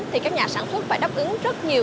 thì các nhà sản xuất phải đáp ứng rất nhiều